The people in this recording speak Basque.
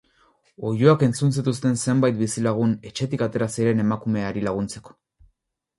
Oihuak entzun zituzten zenbait bizilagun etxetik atera ziren emakumeari laguntzeko.